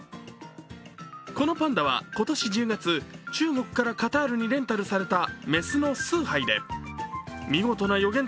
このパンダは今年１０月、中国からカタールにレンタルされた雌のスーハイで、見事な予言